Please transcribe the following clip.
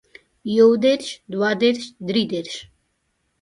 يو دېرش دوه دېرش درې دېرش